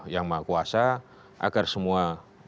yang mahkuasa agar semua